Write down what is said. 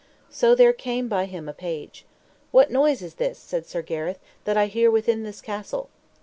So there came by him a page. What noise is this, said Sir Gareth, that I hear within this castle?